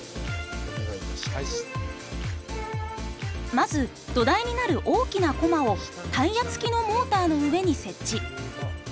まず土台になる大きなコマをタイヤつきのモーターの上に設置。